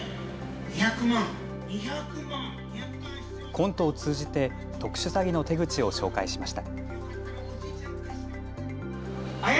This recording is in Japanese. コントを通じて特殊詐欺の手口を紹介しました。